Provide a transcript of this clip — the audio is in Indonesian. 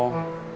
tidak ada apa